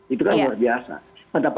itu kan luar biasa